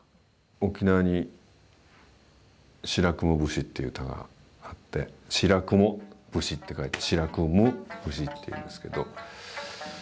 沖縄に「白雲節」っていう歌があって「白雲節」って書いて「しらくむぶし」っていうんですけど。